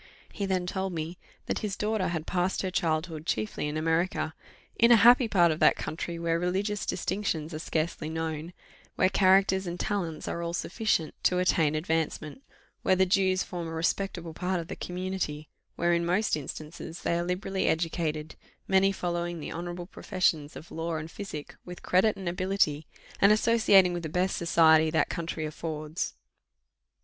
He then told me that his daughter had passed her childhood chiefly in America, "in a happy part of that country, where religious distinctions are scarcely known where characters and talents are all sufficient to attain advancement where the Jews form a respectable part of the community where, in most instances, they are liberally educated, many following the honourable professions of law and physic with credit and ability, and associating with the best society that country affords.